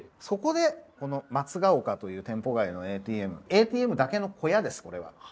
そこでこの松が丘という店舗外のＡＴＭＡＴＭだけの小屋ですこれは。